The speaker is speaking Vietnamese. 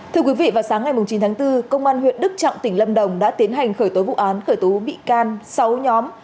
thưa quý vị vào sáng ngày chín tháng bốn công an huyện đức trọng tỉnh lâm đồng đã tiến hành khởi tố vụ án khởi tố bị can sáu nhóm